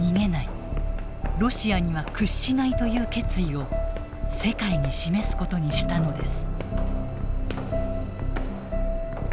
ロシアには屈しない」という決意を世界に示すことにしたのです。